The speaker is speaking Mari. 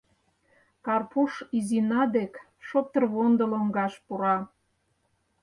Карпуш Изина дек шоптырвондо лоҥгаш пура.